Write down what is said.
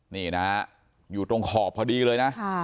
นี่นะฮะอยู่ตรงขอบพอดีเลยนะ